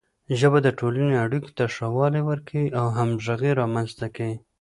ژبه د ټولنې اړیکو ته ښه والی ورکوي او همغږي رامنځته کوي.